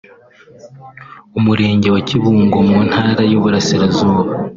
Umurenge wa Kibungo mu Ntara y’Uburasirazuba